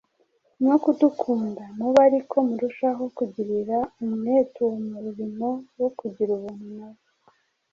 no kudukunda, mube ariko murushaho kugirira umwete uwo murimo wo kugira ubuntu nawo.